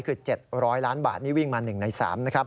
คือ๗๐๐ล้านบาทนี่วิ่งมา๑ใน๓นะครับ